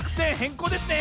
こうですね！